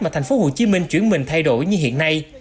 mà thành phố hồ chí minh chuyển mình thay đổi như hiện nay